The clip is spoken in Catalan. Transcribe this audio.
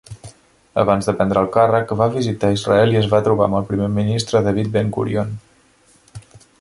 Abans de prendre el càrrec, va visitar Israel i es va trobar amb el primer ministre David Ben-Gurion.